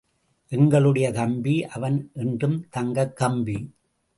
எங்களுடைய தம்பி—அவன் என்றும் தங்கக் கம்பி.